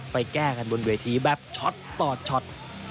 แก้กันบนเวทีแบบช็อตต่อช็อต